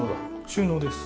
収納です。